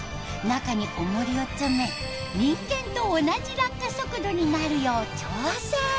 中に重りを詰め人間と同じ落下速度になるよう調整。